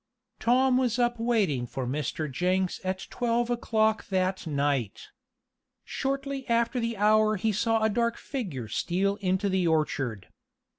Tom was up waiting for Mr. Jenks at twelve o'clock that night. Shortly after the hour he saw a dark figure steal into the orchard.